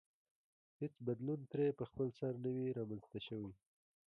هېڅ بدلون ترې په خپلسر نه وي رامنځته شوی.